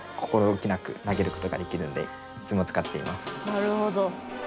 なるほど。